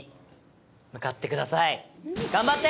頑張って！